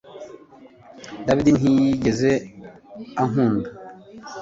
David ntiyigeze ankunda